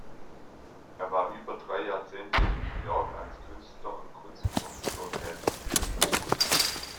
Er war über drei Jahrzehnte in New York als Künstler und Kunstprofessor tätig.